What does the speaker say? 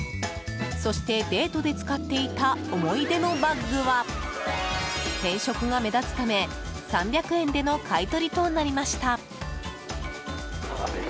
そしてデートで使っていた思い出のバッグは変色が目立つため３００円での買い取りとなりました。